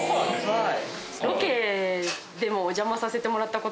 はい。